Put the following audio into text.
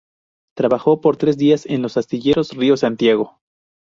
Trabajó por tres días en los Astilleros Río Santiago.